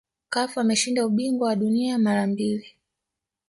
cafu ameshinda ubingwa wa dunia mara mbili